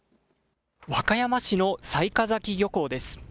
和歌山市の雑賀崎漁港です。